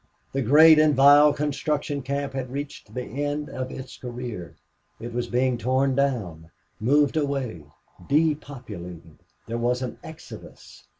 The great and vile construction camp had reached the end of its career. It was being torn down moved away depopulated. There was an exodus.